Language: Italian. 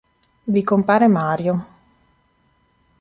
Vi compare Mario.